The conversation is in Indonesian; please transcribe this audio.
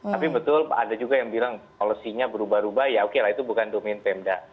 tapi betul ada juga yang bilang policy nya berubah ubah ya oke lah itu bukan domain pemda